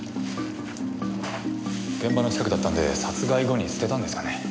現場の近くだったんで殺害後に捨てたんですかね？